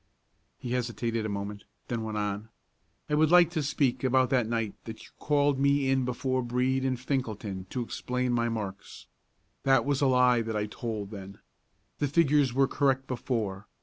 He hesitated a moment, then went on: "I would like to speak about that night that you called me in before Brede and Finkelton to explain my marks. That was a lie that I told then. The figures were correct before.